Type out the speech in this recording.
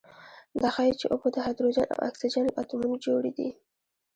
دا ښيي چې اوبه د هایدروجن او اکسیجن له اتومونو جوړې دي.